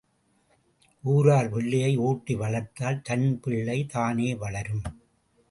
ஊரார் பிள்ளையை ஊட்டி வளர்த்தால் தன் பிள்ளை தானே வளரும்.